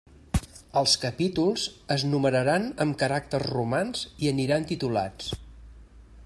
Els capítols es numeraran amb caràcters romans i aniran titulats.